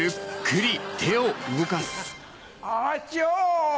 アチョ！